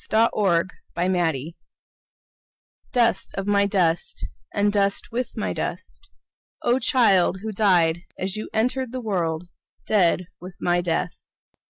Elizabeth Childers Dust of my dust, And dust with my dust, O, child who died as you entered the world, Dead with my death!